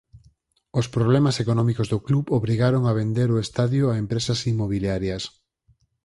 Os problemas económicos do club obrigaron a vender o estadio a empresas inmobiliarias.